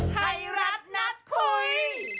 ไทยรัฐนัดคุย